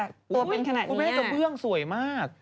ตัวเป็นขนาดนี้หรือย่างนี้อ่ะข้ากระเบื้องสวยมาก